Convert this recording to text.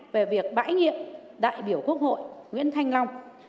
về việc bãi nhiệm đại biểu quốc hội nguyễn thanh long